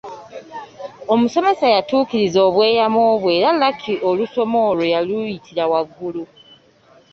Omusomesa yatuukiriza obweyamo bwe era Lucky olusoma olwo yaluyitira waggulu.